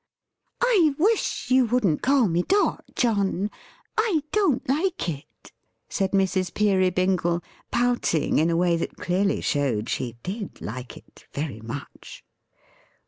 "I wish you wouldn't call me Dot, John. I don't like it," said Mrs. Peerybingle: pouting in a way that clearly showed she did like it, very much.